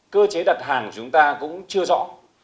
cơ chế đặt hàng của chúng ta cũng chưa rõ